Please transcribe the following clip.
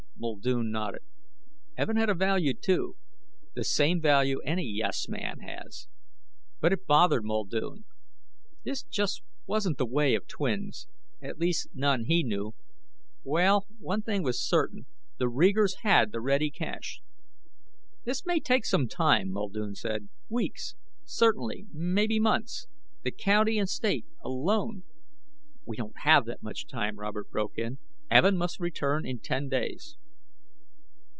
Muldoon nodded. Evin had a value, too. The same value any yes man has. But it bothered Muldoon. This just wasn't the way of twins. At least none he knew. Well, one thing was certain; the Reegers had the ready cash.... "This may take some time," Muldoon said. "Weeks, certainly, maybe months. The County and State, alone ...""We don't have that much time," Robert broke in. "Evin must return in ten days...."